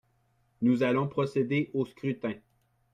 Nous allons procéder au scrutin.